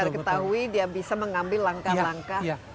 kita ketahui dia bisa mengambil langkah langkah